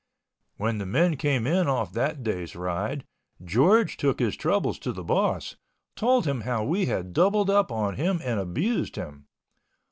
When the men came in off that day's ride, George took his troubles to the boss, told him how we had doubled up on him and abused him.